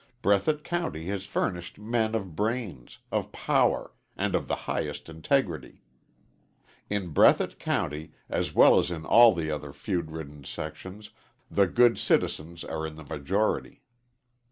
Breathitt County has furnished men of brains, of power, and of the highest integrity. In Breathitt County, as well as in all the other feud ridden sections, the good citizens are in the majority.